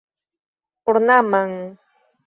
ornaman